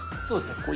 そうですね。